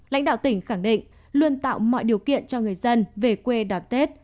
lãnh đạo tỉnh khẳng định luôn tạo mọi điều kiện cho người dân về quê đón tết